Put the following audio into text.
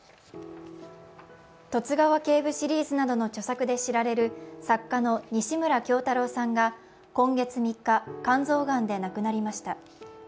「十津川警部」シリーズなどの著作で知られる作家の西村京太郎さんが今月３日、肝臓がんで亡くなりました。